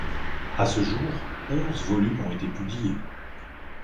À ce jour, onze volumes ont été publiés.